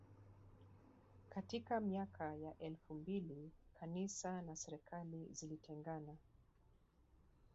Katika miaka ya elfu mbili kanisa na serikali zilitengana